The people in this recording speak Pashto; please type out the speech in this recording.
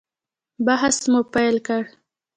بحث مو پیل کړ.